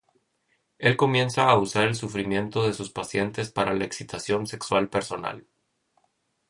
Él comienza a usar el sufrimiento de sus pacientes para la excitación sexual personal.